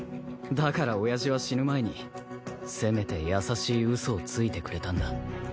だからおやじは死ぬ前にせめて優しいウソをついてくれたんだ。